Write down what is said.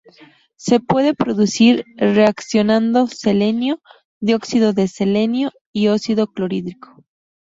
Se puede producir reaccionando selenio, dióxido de selenio y ácido clorhídrico.